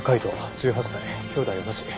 １８歳兄弟はなし。